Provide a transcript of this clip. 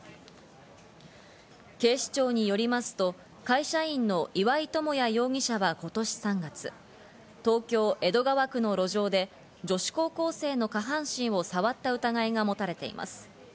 警視庁によりますと会社員の岩井友哉容疑者は今年３月、東京・江戸川区の路上で女子高校生の下半身を触った疑いが持たれています。